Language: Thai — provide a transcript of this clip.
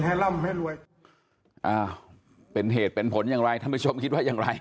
เออเป็นเหตุเป็นผลอย่างไรท่านผู้ชมคิดว่ายังไง